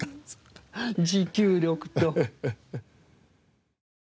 持久力と。